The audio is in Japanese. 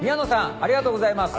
ありがとうございます。